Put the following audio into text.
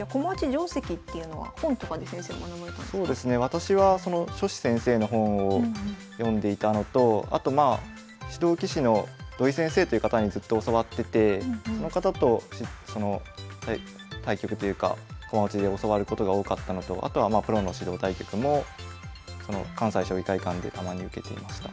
私は所司先生の本を読んでいたのとあとまあ指導棋士の土井先生という方にずっと教わっててその方と対局というか駒落ちで教わることが多かったのとあとはまあプロの指導対局も関西将棋会館でたまに受けていました。